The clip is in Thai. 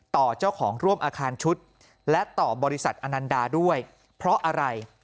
ต่อเจ้าของร่วมอาคารชุดและต่อบริษัทอนันดาด้วยเพราะอะไร